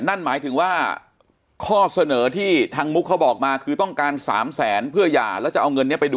นั่นหมายถึงว่าข้อเสนอที่ทางมุมเขาบอกมาคือต้องการ๓๐๐๐๐๐เพื่อยาแล้วจะเอาเงิน